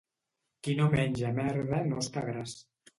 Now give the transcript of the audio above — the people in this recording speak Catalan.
Qui no menja merda no està gras.